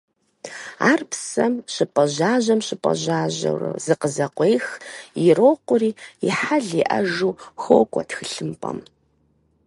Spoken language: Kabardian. Ар псэм щыпӀэжьажьэм – щыпӀэжьажьэурэ зыкъызэкъуех, ирокъури, «и хьэл иӀэжу» хуокӀуэ тхылъымпӀэм.